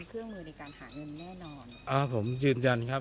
หรือเอาเด็กมาใช้เป็นเครื่องมือในการหาเงินแน่นอน